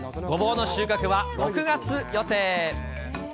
ゴボウの収穫は、６月予定。